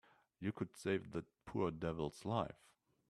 You could save that poor devil's life.